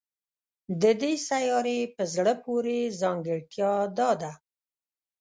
د دې سیارې په زړه پورې ځانګړتیا دا ده